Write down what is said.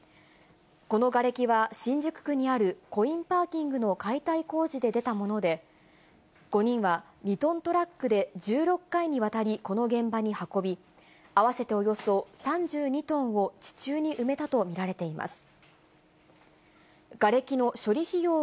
このがれきは、新宿区にあるコインパーキングの解体工事で出たもので、５人は２トントラックで１６回にわたりこの現場に運び、合わせておよそ３２トンを地中に埋めたと見られています。